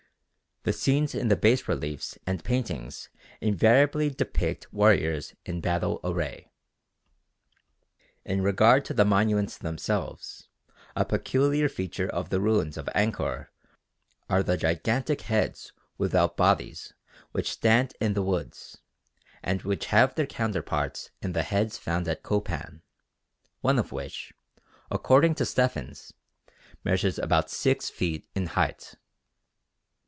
The scenes in the bas reliefs and paintings invariably depict warriors in battle array. [Illustration: STELAE AT COPAN, GUATEMALA.] In regard to the monuments themselves, a peculiar feature of the ruins of Angkor are the gigantic heads without bodies which stand in the woods, and which have their counterparts in the heads found at Copan, one of which, according to Stephens, measures about six feet in height.